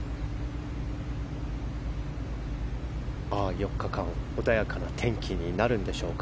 ４日間、穏やかな天気になるんでしょうか。